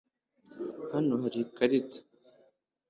Hano hari ikarita